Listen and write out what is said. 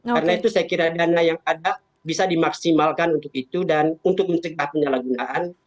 karena itu saya kira dana yang ada bisa dimaksimalkan untuk itu dan untuk mencipta penyalahgunaan